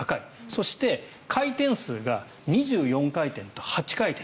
そして、回転数が２４回転と８回転。